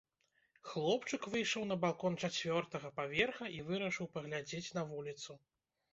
Хлопчык выйшаў на балкон чацвёртага паверха і вырашыў паглядзець на вуліцу.